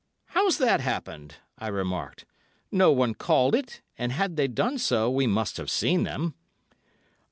"How's that happened?" I remarked. "No one called it, and had they done so we must have seen them."